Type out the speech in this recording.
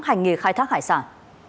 hành nghề khai thác hải sản